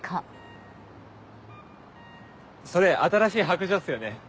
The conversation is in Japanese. それ新しい白杖っすよね？